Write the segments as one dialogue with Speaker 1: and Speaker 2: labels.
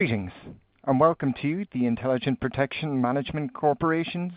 Speaker 1: Meetings, and welcome to the Intelligent Protection Management Corporation's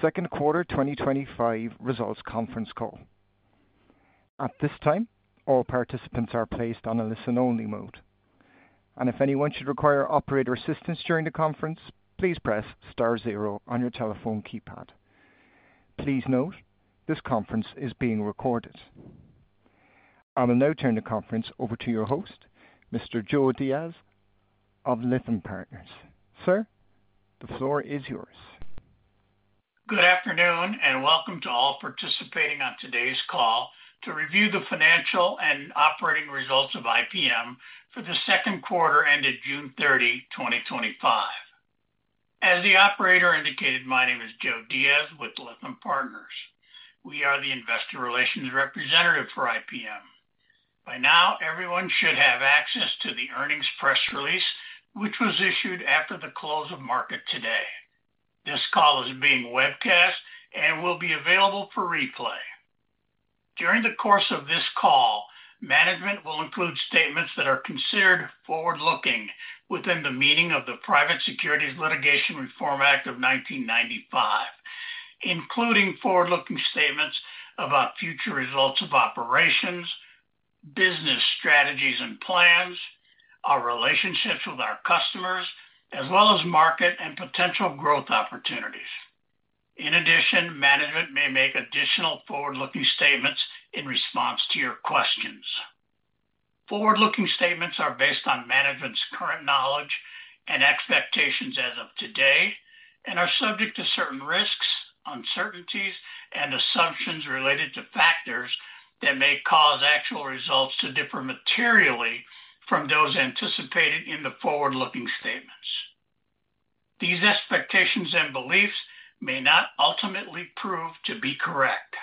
Speaker 1: second quarter 2025 results conference call. At this time, all participants are placed on a listen-only mode, and if anyone should require operator assistance during the conference, please press star zero on your telephone keypad. Please note, this conference is being recorded. I will now turn the conference over to your host, Mr. Joe Diaz of Lytham Partners. Sir, the floor is yours.
Speaker 2: Good afternoon and welcome to all participating on today's call to review the financial and operating results of IPM. for the second quarter ended June 30, 2025. As the operator indicated, my name is Joe Diaz with Lytham Partners. We are the investor relations representative for IPM. By now, everyone should have access to the earnings press release, which was issued after the close of market today. This call is being webcast and will be available for replay. During the course of this call, management will include statements that are considered forward-looking within the meaning of the Private Securities Litigation Reform Act of 1995, including forward-looking statements about future results of operations, business strategies and plans, our relationships with our customers, as well as market and potential growth opportunities. In addition, management may make additional forward-looking statements in response to your questions. Forward-looking statements are based on management's current knowledge and expectations as of today and are subject to certain risks, uncertainties, and assumptions related to factors that may cause actual results to differ materially from those anticipated in the forward-looking statements. These expectations and beliefs may not ultimately prove to be correct.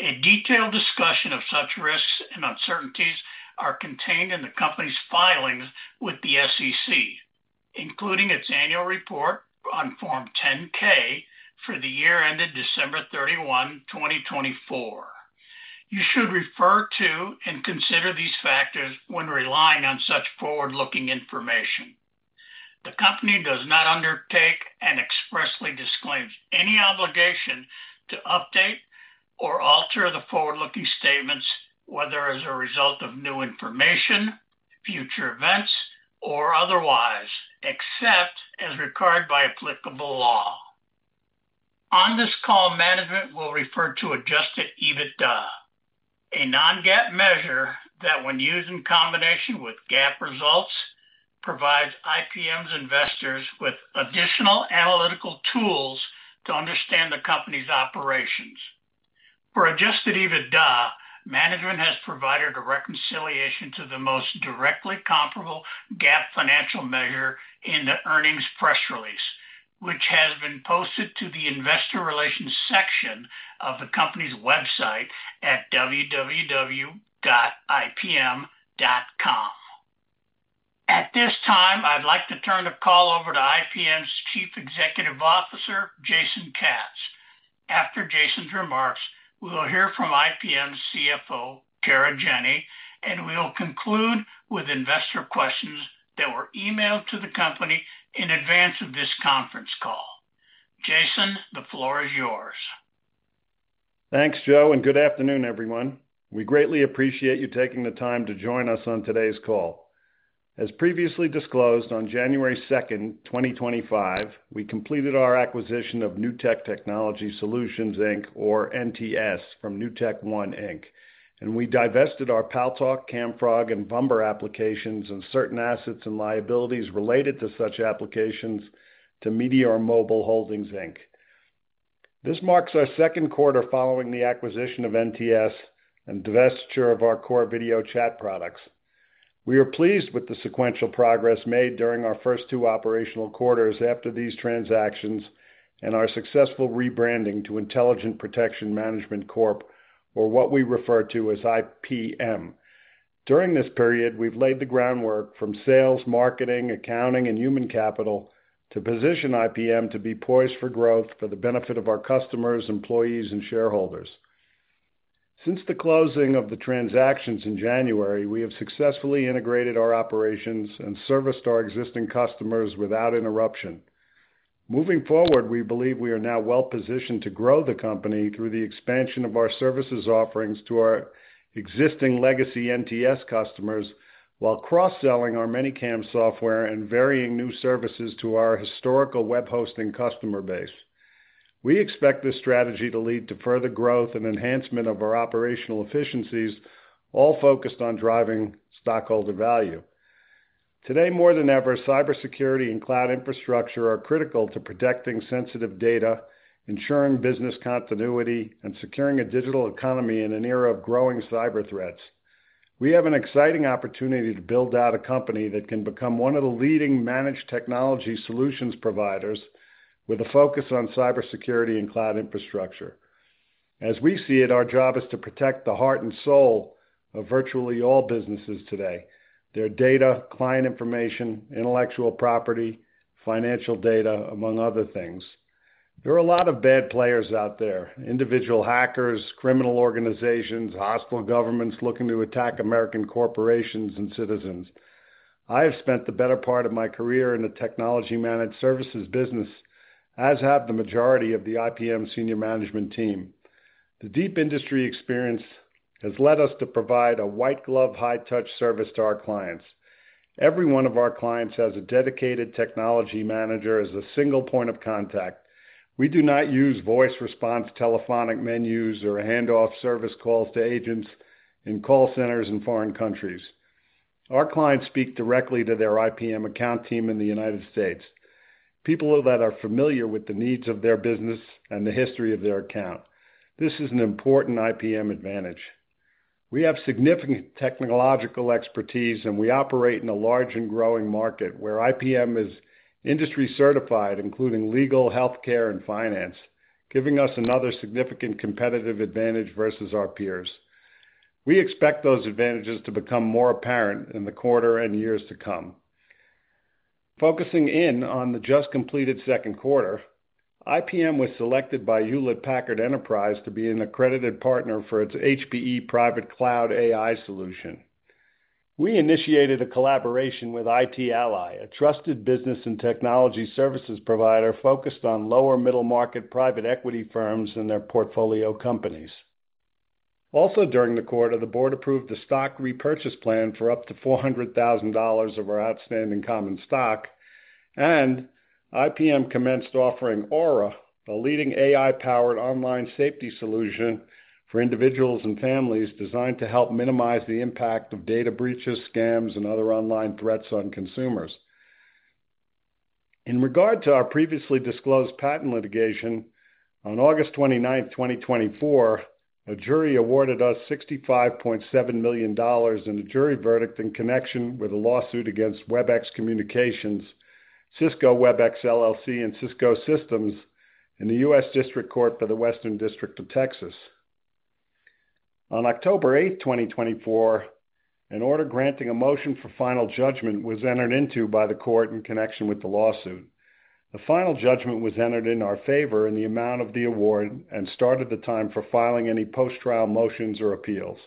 Speaker 2: A detailed discussion of such risks and uncertainties is contained in the company's filings with the SEC, including its annual report on Form 10-K for the year ended December 31, 2024. You should refer to and consider these factors when relying on such forward-looking information. The company does not undertake and expressly disclaims any obligation to update or alter the forward-looking statements, whether as a result of new information, future events, or otherwise, except as required by applicable law. On this call, management will refer to adjusted EBITDA, a non-GAAP measure that, when used in combination with GAAP results, provides Intelligent Protection Management Corp.'s investors with additional analytical tools to understand the company's operations. For adjusted EBITDA, management has provided a reconciliation to the most directly comparable GAAP financial measure in the earnings press release, which has been posted to the investor relations section of the company's website at www.ipm.com. At this time, I'd like to turn the call over to IPM's Chief Executive Officer, Jason Katz. After Jason's remarks, we'll hear from IPM's CFO, Kara Jenny, and we'll conclude with investor questions that were emailed to the company in advance of this conference call. Jason, the floor is yours.
Speaker 3: Thanks, Joe, and good afternoon, everyone. We greatly appreciate you taking the time to join us on today's call. As previously disclosed, on January 2nd, 2025, we completed our acquisition of Newtek Technology Solutions, Inc., or NTS, from NewtekOne, Inc., and we divested our Paltalk, Camfrog, and Vumber applications and certain assets and liabilities related to such applications to Meteor Mobile Holdings, Inc. This marks our second quarter following the acquisition of NTS and divestiture of our core video chat products. We are pleased with the sequential progress made during our first two operational quarters after these transactions and our successful rebranding to Intelligent Protection Management Corp., or what we refer to as IPM. During this period, we've laid the groundwork from sales, marketing, accounting, and human capital to position IPM to be poised for growth for the benefit of our customers, employees, and shareholders. Since the closing of the transactions in January, we have successfully integrated our operations and serviced our existing customers without interruption. Moving forward, we believe we are now well-positioned to grow the company through the expansion of our services offerings to our existing legacy NTS customers while cross-selling our ManyCam software and varying new services to our historical web hosting customer base. We expect this strategy to lead to further growth and enhancement of our operational efficiencies, all focused on driving stockholder value. Today, more than ever, cybersecurity and cloud infrastructure are critical to protecting sensitive data, ensuring business continuity, and securing a digital economy in an era of growing cyber threats. We have an exciting opportunity to build out a company that can become one of the leading managed technology solutions providers with a focus on cybersecurity and cloud infrastructure. As we see it, our job is to protect the heart and soul of virtually all businesses today, their data, client information, intellectual property, financial data, among other things. There are a lot of bad players out there, individual hackers, criminal organizations, hostile governments looking to attack American corporations and citizens. I have spent the better part of my career in the technology managed services business, as have the majority of the IPM senior management team. The deep industry experience has led us to provide a white-glove, high-touch service to our clients. Every one of our clients has a dedicated technology manager as a single point of contact. We do not use voice response telephonic menus or hand off service calls to agents in call centers in foreign countries. Our clients speak directly to their IPM account team in the United States, people that are familiar with the needs of their business and the history of their account. This is an important IPM advantage. We have significant technological expertise, and we operate in a large and growing market where IPM is industry-certified, including legal, healthcare, and finance, giving us another significant competitive advantage versus our peers. We expect those advantages to become more apparent in the quarter and years to come. Focusing in on the just completed second quarter, IPM was selected by Hewlett Packard Enterprise to be an accredited partner for its HPE Private Cloud AI solution. We initiated a collaboration with IT Ally, a trusted business and technology services provider focused on lower middle-market private equity firms and their portfolio companies. Also, during the quarter, the board approved a stock repurchase plan for up to $400,000 of our outstanding common stock, and IPM commenced offering Aura, a leading AI-powered online safety solution for individuals and families designed to help minimize the impact of data breaches, scams, and other online threats on consumers. In regard to our previously disclosed patent litigation, on August 29th, 2024, a jury awarded us $65.7 million in a jury verdict in connection with a lawsuit against WebEx Communications, Cisco WebEx LLC, and Cisco Systems in the U.S. District Court for the Western District of Texas. On October 8th, 2024, an order granting a motion for final judgment was entered into by the court in connection with the lawsuit. The final judgment was entered in our favor in the amount of the award and started the time for filing any post-trial motions or appeals.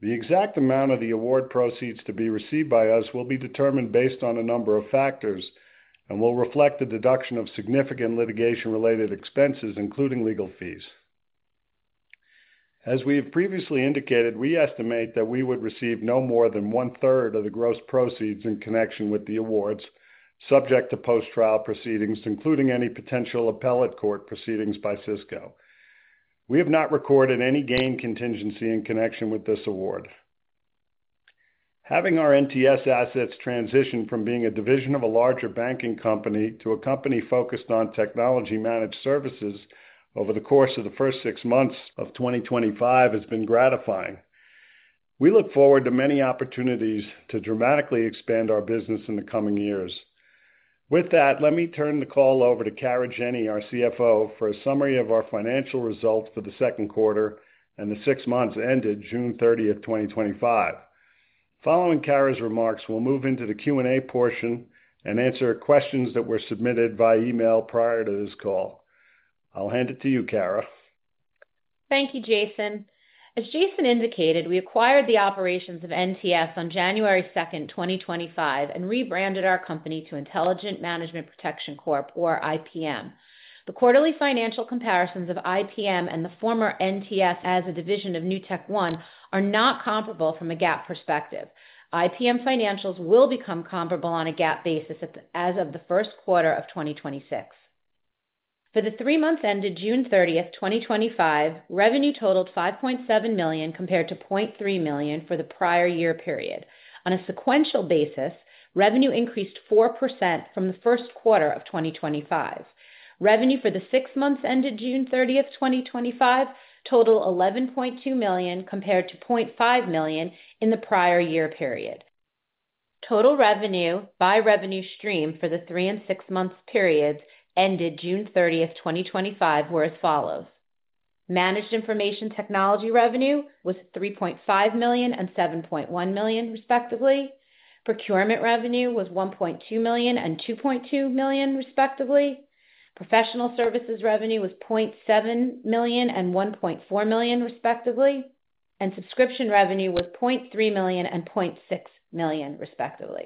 Speaker 3: The exact amount of the award proceeds to be received by us will be determined based on a number of factors and will reflect a deduction of significant litigation-related expenses, including legal fees. As we have previously indicated, we estimate that we would receive no more than 1/3 of the gross proceeds in connection with the awards subject to post-trial proceedings, including any potential appellate court proceedings by Cisco. We have not recorded any gain contingency in connection with this award. Having our NTS assets transitioned from being a division of a larger banking company to a company focused on technology managed services over the course of the first six months of 2025 has been gratifying. We look forward to many opportunities to dramatically expand our business in the coming years. With that, let me turn the call over to Kara Jenny, our CFO, for a summary of our financial results for the second quarter and the six months ended June 30th, 2025. Following Kara's remarks, we'll move into the Q&A portion and answer questions that were submitted via email prior to this call. I'll hand it to you, Kara.
Speaker 4: Thank you, Jason. As Jason indicated, we acquired the operations of NTS on January 2nd, 2025, and rebranded our company to Intelligent Protection Management Corp., or IPM. The quarterly financial comparisons of IPM and the former NTS as a division of NewtekOne are not comparable from a GAAP perspective. IPM financials will become comparable on a GAAP basis as of the first quarter of 2026. For the three months ended June 30th, 2025, revenue totaled $5.7 million compared to $0.3 million for the prior year period. On a sequential basis, revenue increased 4% from the first quarter of 2025. Revenue for the six months ended June 30th, 2025, totaled $11.2 million compared to $0.5 million in the prior year period. Total revenue by revenue stream for the three and six months periods ended June 30th, 2025, were as follows: Managed Information Technology revenue was $3.5 million and $7.1 million, respectively. Procurement revenue was $1.2 million and $2.2 million, respectively. Professional services revenue was $0.7 million and $1.4 million, respectively. Subscription revenue was $0.3 million and $0.6 million, respectively.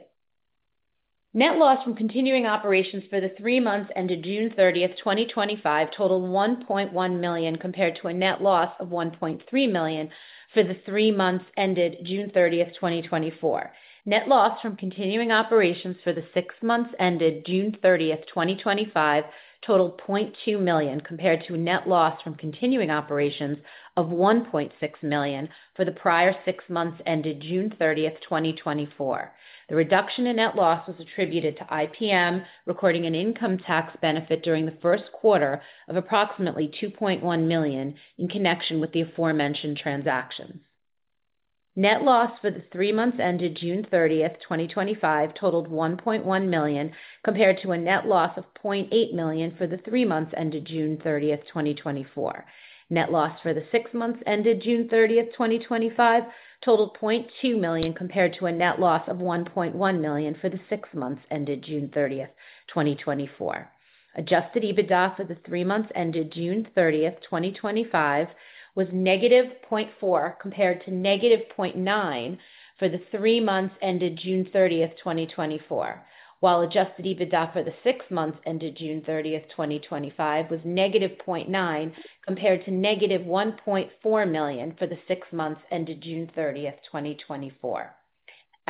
Speaker 4: Net loss from continuing operations for the three months ended June 30th, 2025, totaled $1.1 million compared to a net loss of $1.3 million for the three months ended June 30, 2024. Net loss from continuing operations for the six months ended June 30th, 2025, totaled $0.2 million compared to a net loss from continuing operations of $1.6 million for the prior six months ended June 30th, 2024. The reduction in net loss was attributed to IPM recording an income tax benefit during the first quarter of approximately $2.1 million in connection with the aforementioned transaction. Net loss for the three months ended June 30th, 2025, totaled $1.1 million compared to a net loss of $0.8 million for the three months ended June 30th, 2024. Net loss for the six months ended June 30th, 2025, totaled $0.2 million compared to a net loss of $1.1 million for the six months ended June 30th, 2024. Adjusted EBITDA for the three months ended June 30th, 2025, was -$0.4 million compared to -$0.9 million for the three months ended June 30th, 2024, while adjusted EBITDA for the six months ended June 30th, 2025, was -$0.9 million compared to -$1.4 million for the six months ended June 30th, 2024.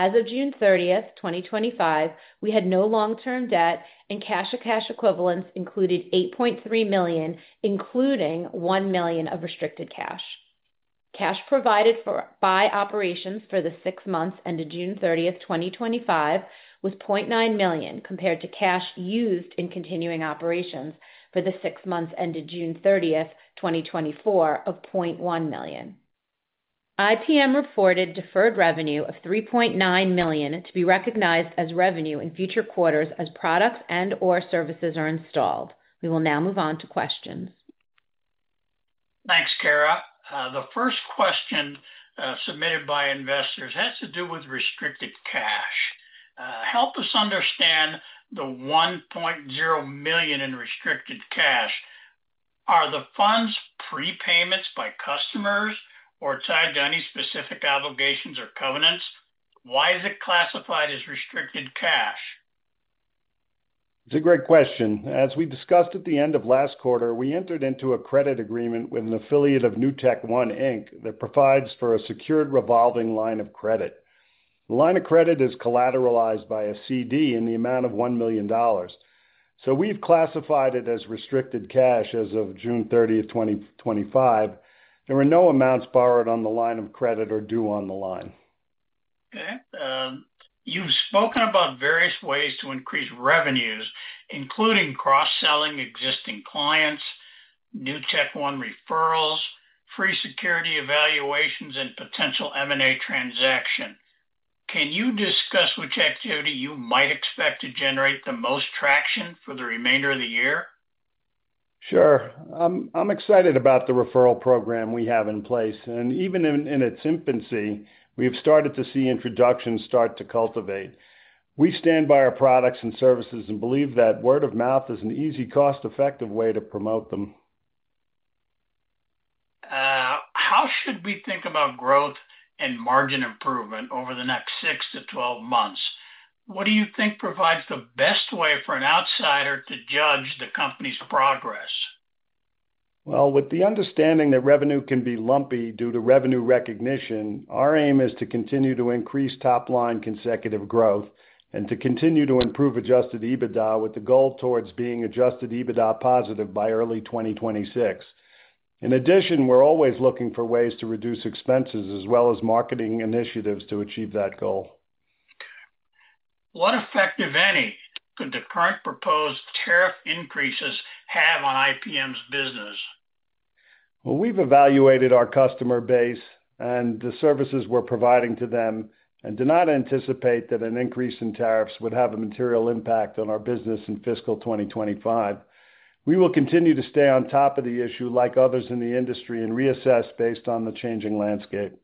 Speaker 4: As of June 30th, 2025, we had no long-term debt and cash and cash equivalents included $8.3 million, including $1 million of restricted cash. Cash provided by operations for the six months ended June 30th, 2025, was $0.9 million compared to cash used in continuing operations for the six months ended June 30th, 2024, of $0.1 million. IPM reported deferred revenue of $3.9 million to be recognized as revenue in future quarters as products and/or services are installed. We will now move on to questions.
Speaker 2: Thanks, Kara. The first question submitted by investors has to do with restricted cash. Help us understand the $1.0 million in restricted cash. Are the funds prepayments by customers or tied to any specific obligations or covenants? Why is it classified as restricted cash?
Speaker 3: It's a great question. As we discussed at the end of last quarter, we entered into a credit agreement with an affiliate of NewtekOne, Inc. that provides for a secured revolving line of credit. The line of credit is collateralized by a CD in the amount of $1 million, so we've classified it as restricted cash as of June 30th, 2025. There are no amounts borrowed on the line of credit or due on the line.
Speaker 2: Okay. You've spoken about various ways to increase revenues, including cross-selling existing clients, NewtekOne referrals, free security evaluations, and potential M&A transactions. Can you discuss which activity you might expect to generate the most traction for the remainder of the year?
Speaker 3: Sure. I'm excited about the referral program we have in place, and even in its infancy, we have started to see introductions start to cultivate. We stand by our products and services and believe that word of mouth is an easy, cost-effective way to promote them.
Speaker 2: How should we think about growth and margin improvement over the next 6-12 months? What do you think provides the best way for an outsider to judge the company's progress?
Speaker 3: With the understanding that revenue can be lumpy due to revenue recognition, our aim is to continue to increase top-line consecutive growth and to continue to improve adjusted EBITDA with the goal towards being adjusted EBITDA positive by early 2026. In addition, we're always looking for ways to reduce expenses as well as marketing initiatives to achieve that goal.
Speaker 2: What effect, if any, could the current proposed tariff increases have on IPM's business?
Speaker 3: We've evaluated our customer base and the services we're providing to them and do not anticipate that an increase in tariffs would have a material impact on our business in fiscal 2025. We will continue to stay on top of the issue like others in the industry and reassess based on the changing landscape.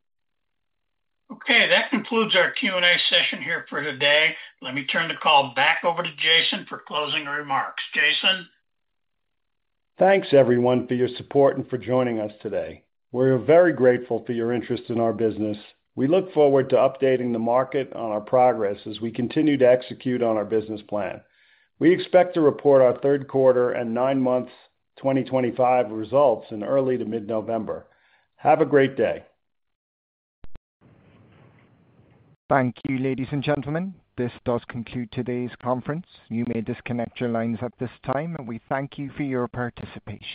Speaker 2: Okay, that concludes our Q&A session here for today. Let me turn the call back over to Jason for closing remarks. Jason?
Speaker 3: Thanks, everyone, for your support and for joining us today. We're very grateful for your interest in our business. We look forward to updating the market on our progress as we continue to execute on our business plan. We expect to report our third quarter and nine months 2025 results in early to mid-November. Have a great day.
Speaker 1: Thank you, ladies and gentlemen. This does conclude today's conference. You may disconnect your lines at this time, and we thank you for your participation.